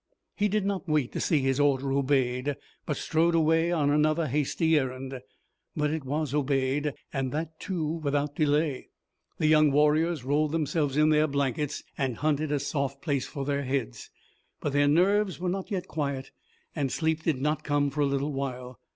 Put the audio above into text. He did not wait to see his order obeyed, but strode away on another hasty errand. But it was obeyed and that, too, without delay. The young warriors rolled themselves in their blankets and hunted a soft place for their heads. But their nerves were not yet quiet, and sleep did not come for a little while.